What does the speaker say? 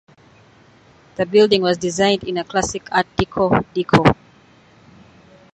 The building was designed in a classic Art Deco decor.